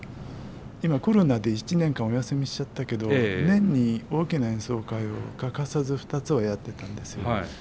今コロナで１年間お休みしちゃったけど年に大きな演奏会を欠かさず２つはやってたんですよ。